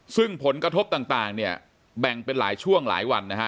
ซึ่งผลกระทบต่างเนี่ยแบ่งเป็นหลายช่วงหลายวันนะฮะ